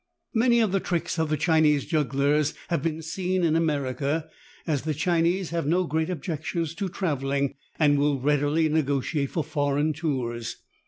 Many of the tricks of the Chinese jugglers have been seen in America, as the Chinese have no great objections to traveling and will readily negotiate for foreign tours.